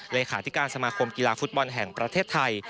เลขาธิการสมาคมกีฬาฟุตบอลแห่งประเทศไทย